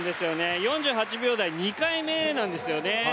４８秒台、２回目なんですよね。